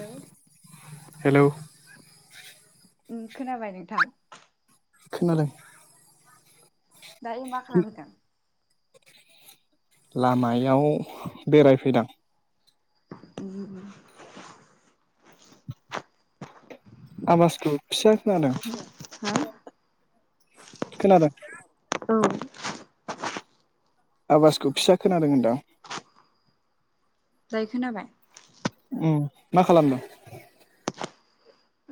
हेल' hello खोनाबाय नोंथां खोनबाय दायो मा खालामहैदों लामायाव बेरायफैदां द [unintelligible] आमाजखौ फिसा खोनादों खोनादों औ आबासखौ फिसा खोनादों होनदां जायो खोनाबाय औ मा खालामदों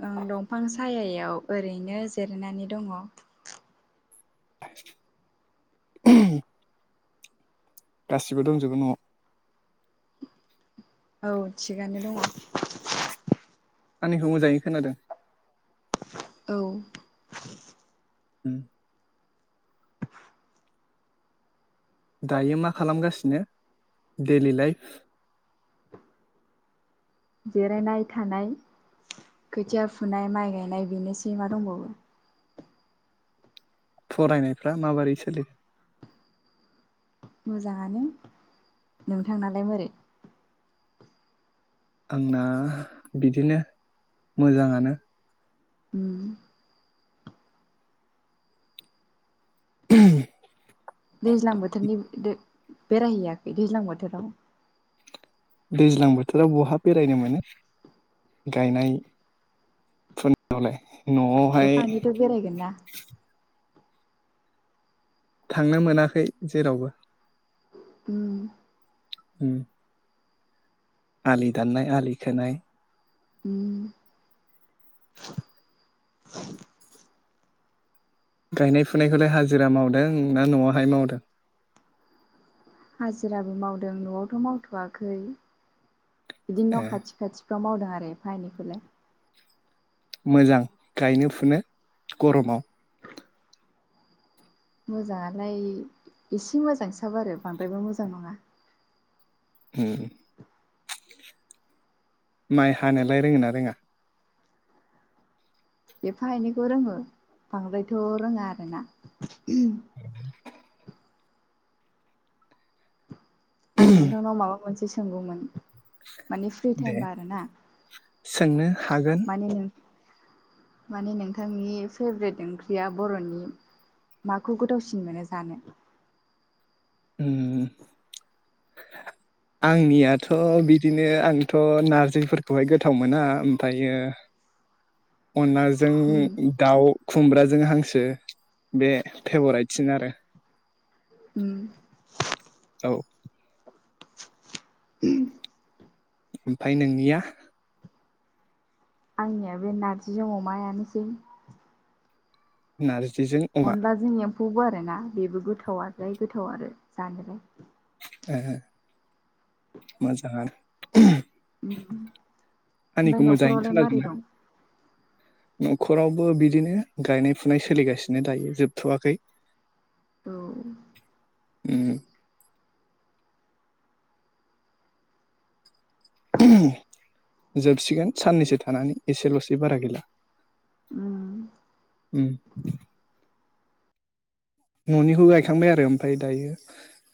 ओं दंफां सायायाव ओरैनो जिरनानै दङ [inaudible] गासिबो दंजोबो न'आव औ थिगानो दङ आंनिखौ मोजाङै खोनादों औ उ [inaudible] दायो मा खालामगासिनो डेलि लाइफ जिरायनाय थानाय खोथिया फुनाय माइ गायनाय बेनोसै मा दंबावो फरायनायफ्रा माबोरै सोलिदों मोजाङानो नोंथांनालाय मोरै आंना बिदिनो मोजाङानो उम [inaudible] दैज्लां बोथोरनि बेरायहैयाखै दैज्लां बोथोराव दैज्लां बोथोराव बहा बेरायनो मोनो गायनाय फोरावलाय न'आवहाय बेरायायगोना थांनो मोनाखै जेरावबो उ [inaudible] [inaudible] आलि दाननाय आलि खोनाय हम [inaudible] गायनाय फुनायखौलाय हाजिरा मावदों ना न'आवहाय मावदों हाजिराबो मावदों न'आवथ' मावथ'वाखै बिदिनो ए न' खाथि खाथि बेयाव मावदों आरो एफा एनैखौलाय मोजां गायनो फुनो गरमाव मोजांङालाय एसे मोजांसाब आरो बांद्रायबो मोजां नंङा ओ माइ हानायोलाय रोङो ना रोङा एफा एनैखौ रोङो बांद्रायथ' रोङा आरोना [inaudible] आं नोंथांनाव माबा मोनसे सोंगौमोन माने फ्रि दे टाइमबा आर ना सोंनो हागोन माने माने नोंथांनि फेभ्रेट ओंख्रिया बर'नि माखौ गोदावसिन मोनो जानो उम [inaudible] आंनियाथ' बिदिनो आंथ' नारजिफोरखौहाय गोथाव मोना ओमफ्रायो उम अनलाजों दाउ खुमब्राजों हांसो बे फेभराइटसिन आरो उम औ [inaudible] ओमफ्राय नोंनिया आंनिया बे नारजिजों अमायानोसै नारजिजों अमा अनलाजों एम्फौबो आर ना बेबो गोथावाय गोथाव आरो जानोलाय ए हे मोजां आनो आंनिखौ ओम मोजाङैनो न'खरावलाय मारै खोनादोंना? दं? न'खरावबो बिदिनो गायनाय फुनाय सोलिगासिनो दायो जोबथ'वाखै औ उम जोबसिगोन साननैसो थानानै एसेल'सै बारा गैला उम उम न'निखौ गायखांबाय आरो ओमफ्राय दायो